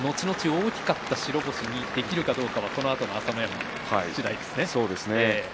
大きかった白星にできるかどうかこのあとの朝乃山次第ですね。